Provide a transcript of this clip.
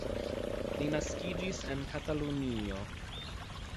Li naskiĝis en Katalunio.